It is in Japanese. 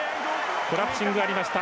コラプシングがありました。